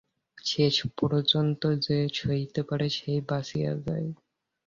শেষ পর্যন্ত যে সহিতে পারে সেই বাঁচিয়া যায়।